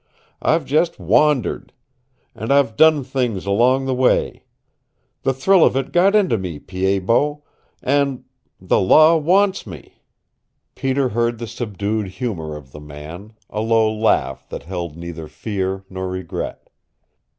I've just wandered. And I've done things along the way. The thrill of it got into me, Pied Bot, and the law wants me!" Peter heard the subdued humor of the man, a low laugh that held neither fear nor regret.